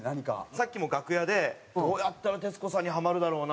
さっきも楽屋でどうやったら徹子さんにはまるだろうなって。